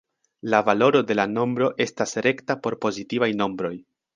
La valoro de la nombro estas rekta por pozitivaj nombroj.